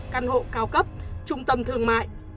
căn hộ cao cấp trung tâm thương mại